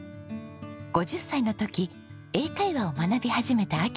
５０歳の時英会話を学び始めた暁良さん。